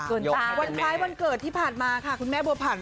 วันคล้ายวันเกิดที่ผ่านมาค่ะคุณแม่บัวผัน